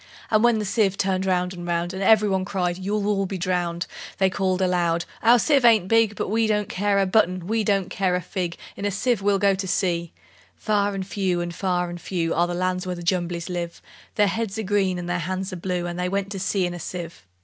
And when the sieve turned round and round, And every one cried, "You'll all be drowned!" They called aloud, "Our sieve ain't big; But we don't care a button, we don't care a fig: In a sieve we'll go to sea!" Far and few, far and few, Are the lands where the Jumblies live: Their heads are green, and their hands are blue And they went to sea in a sieve.